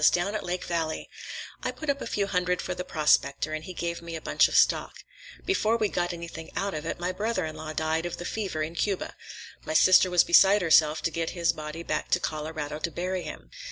Down at Lake Valley. I put up a few hundred for the prospector, and he gave me a bunch of stock. Before we'd got anything out of it, my brother in law died of the fever in Cuba. My sister was beside herself to get his body back to Colorado to bury him.